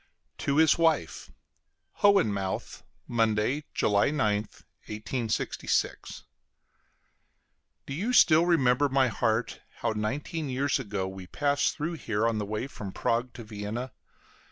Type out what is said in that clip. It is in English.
TO HIS WIFE HOHENMAUTH, Monday, July 9th, 1866. Do you still remember, my heart, how nineteen years ago we passed through here on the way from Prague to Vienna?